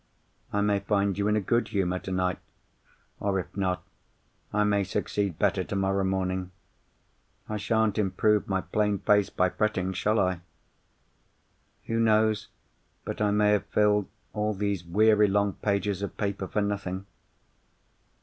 I may find you in a good humour tonight—or, if not, I may succeed better tomorrow morning. I sha'n't improve my plain face by fretting—shall I? Who knows but I may have filled all these weary long pages of paper for nothing?